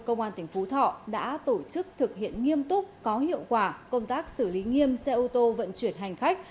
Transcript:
công an tỉnh phú thọ đã tổ chức thực hiện nghiêm túc có hiệu quả công tác xử lý nghiêm xe ô tô vận chuyển hành khách